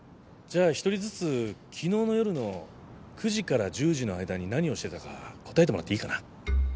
じゃあ１人ずつ昨日の夜の９時から１０時の間に何をしてたか答えてもらっていいかな？